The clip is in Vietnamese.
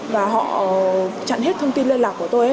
và họ chặn hết thông tin liên lạc của tôi